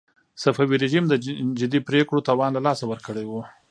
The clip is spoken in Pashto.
صفوي رژيم د جدي پرېکړو توان له لاسه ورکړی و.